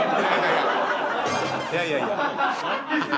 いやいやいや。